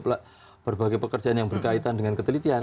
berbagai pekerjaan yang berkaitan dengan ketelitian